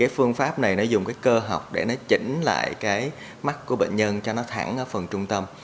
phương pháp này dùng cơ học để chỉnh lại mắt của bệnh nhân cho nó thẳng ở phần trung tâm